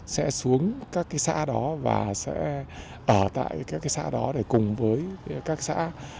sẽ xuống các xã đó và sẽ ở tại các xã đó để cùng với các xã